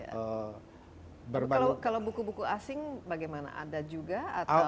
kalau buku buku asing bagaimana ada juga atau